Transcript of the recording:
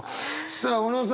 さあ小野さん。